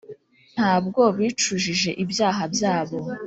nta bwo bicujije ibyaha byabo,